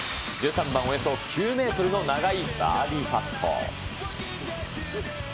１３番、およそ９メートルの長いバーディーパット。